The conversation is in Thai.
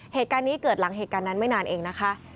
เหตุการณ์นี้เกิดหลังเหตุการณ์นั้นไม่นานเองนะคะ